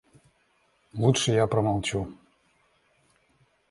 Лучше я промолчу.